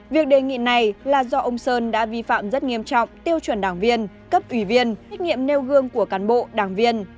việc đề nghị này là do ông sơn đã vi phạm rất nghiêm trọng tiêu chuẩn đảng viên cấp ủy viên trách nhiệm nêu gương của cán bộ đảng viên